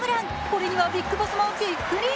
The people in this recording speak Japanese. これにはＢＩＧＢＯＳＳもビックリ。